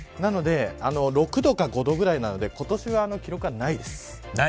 ６度か５度くらいなので今年は記録がないです。